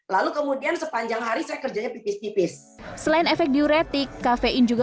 lalu kemudian sepanjang hari saya kerjanya tipis tipis selain efek diuretik kafein juga